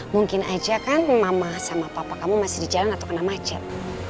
mungkin aja kan mama sama papa kamu masih di jalan atau kena macet